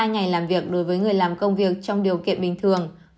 một mươi hai ngày làm việc đối với người làm công việc trong điều kiện bình thường